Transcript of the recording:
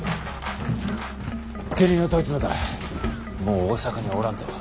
家人を問い詰めたらもう大坂にはおらんと。